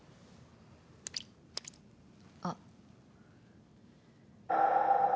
あっ。